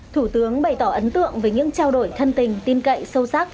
thủ tướng bày tỏ ấn tượng về những trao đổi thân tình tin cậy sâu sắc